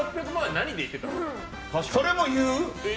それも言う？